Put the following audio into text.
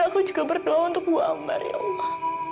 dan aku juga berdoa untuk bu ambar ya allah